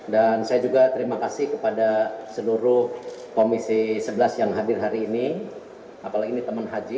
dan saya juga terima kasih kepada seluruh komisi sebelas yang hadir hari ini apalagi ini teman haji